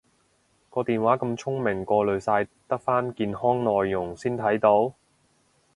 個電話咁聰明過濾晒得返健康內容先睇到？